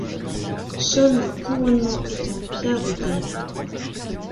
Seul le couronnement est en pierre de taille.